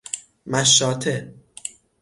مشاطه